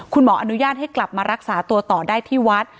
คุณหมออนุญาตให้กลับมารักษาตัวต่อได้ที่วัด